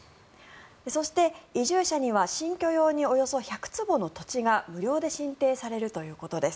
そして移住者には新居用におよそ１００坪の土地が無料で進呈されるということです。